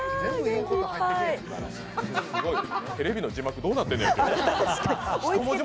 テレビの字幕、どうなってんねん、今日。